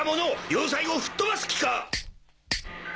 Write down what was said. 要塞をふっ飛ばす気か！